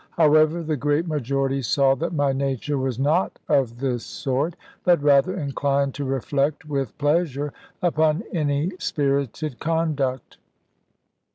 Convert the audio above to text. However, the great majority saw that my nature was not of this sort, but rather inclined to reflect with pleasure upon any spirited conduct.